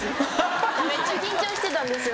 めっちゃ緊張してたんですよ。